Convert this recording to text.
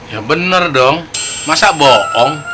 ya bener dong masa bohong